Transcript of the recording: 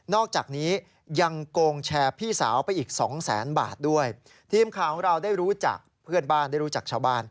อกจากนี้ยังโกงแชร์พี่สาวไปอีกสองแสนบาทด้วยทีมข่าวของเราได้รู้จักเพื่อนบ้านได้รู้จักชาวบ้าน